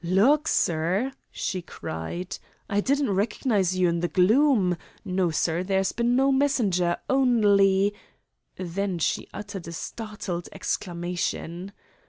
"Lawk, sir," she cried, "I didn't recognise you in the gloom! No, sir, there's been no messenger, only " Then she uttered a startled exclamation.